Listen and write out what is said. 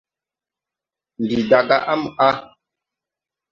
Ndi da gá á mo a.